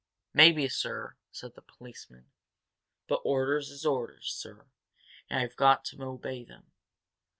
"Maybe, sir," said the policeman. "But orders is orders, sir, and I've got to obey them.